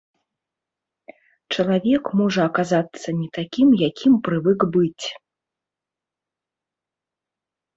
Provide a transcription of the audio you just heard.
Чалавек можа аказацца не такім, якім прывык быць.